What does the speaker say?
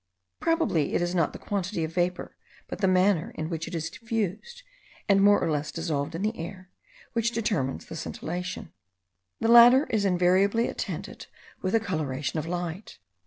Probably it is not the quantity of vapour, but the manner in which it is diffused, and more or less dissolved in the air, which determines the scintillation. The latter is invariably attended with a coloration of light.